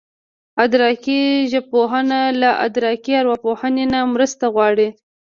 ادراکي ژبپوهنه له ادراکي ارواپوهنې نه مرسته غواړي